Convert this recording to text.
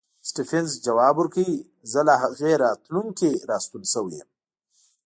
سټېفنس ځواب ورکوي زه له هغې راتلونکې راستون شوی یم.